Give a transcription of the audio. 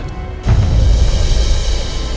karena agak cepat sekali ah